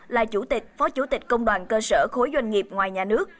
là chủ tịch phó chủ tịch công đoàn cơ sở khối doanh nghiệp ngoài nhà nước